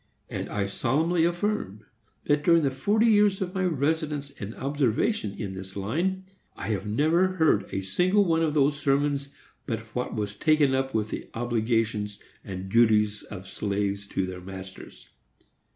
And I solemnly affirm, that, during the forty years of my residence and observation in this line, I never heard a single one of these sermons but what was taken up with the obligations and duties of slaves to their masters.